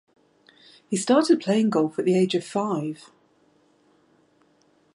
He started playing golf at the age of five.